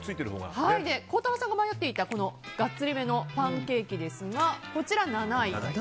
孝太郎さんが迷っていたがっつりめのパンケーキですがこちら７位。